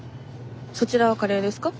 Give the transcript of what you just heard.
そちらはカレーですか？